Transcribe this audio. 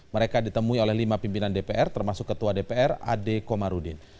mereka ditemui oleh lima pimpinan dpr termasuk ketua dpr ade komarudin